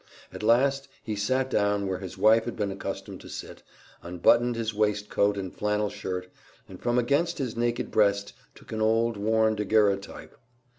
At last, he sat down where his wife had been accustomed to sit, unbuttoned his waistcoat and flannel shirt, and from against his naked breast took an old, worn daguerreotype.